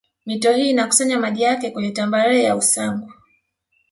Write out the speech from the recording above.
Mito hii inakusanya maji yake kwenye tambarare ya Usangu